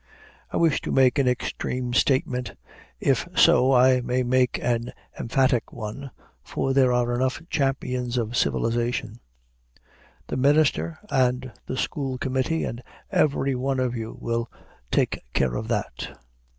I wish to make an extreme statement, if so I may make an emphatic one, for there are enough champions of civilization: the minister and the school committee, and every one of you will take care of that.